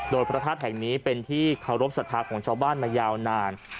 โดยพระธาตุแห่งนี้เป็นที่เคารพสัทธาของชาวบ้านมายาวนาน